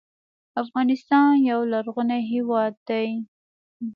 افغانستان یو لرغونی هېواد دی